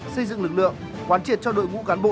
xây dựng lực lượng quán triệt cho đội ngũ cán bộ